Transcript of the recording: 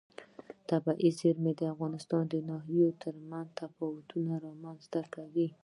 طبیعي زیرمې د افغانستان د ناحیو ترمنځ تفاوتونه رامنځ ته کوي.